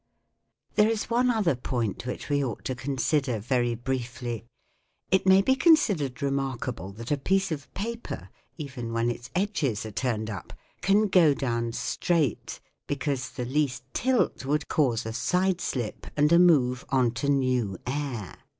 There is one other point which we ought to consider very briefly. It may be considered re markable that a piece of paper, even when its edges are turned up, can go down straight, because the least tilt would cause a side slip and a move on to new air.